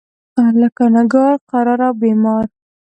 لکه نګار، قرار او بیمار.